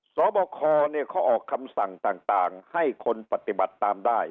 สอบคอเขาออกคำสั่งต่างให้คนปฏิบัติตามได้